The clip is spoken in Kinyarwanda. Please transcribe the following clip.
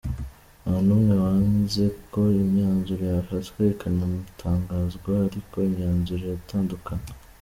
Nta n'umwe wanze ko imyanzuro yafatwa ikanatangazwa ariko imyanzuro iratandukana.